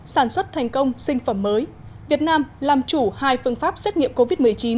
sản xuất thành công sinh phẩm mới việt nam làm chủ hai phương pháp xét nghiệm covid một mươi chín